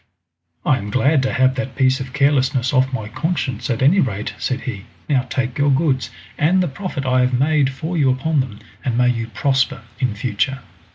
"I am glad to have that piece of carelessness off my conscience at any rate," said he. "Now take your goods, and the profit I have made for you upon them, and may you prosper in future."